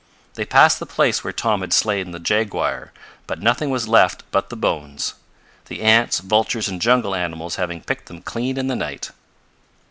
They passed the place where Tom had slain the jaguar, but nothing was left but the bones; the ants, vultures and jungle animals having picked them clean in the night.